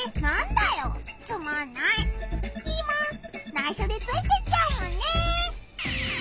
ないしょでついてっちゃうもんね！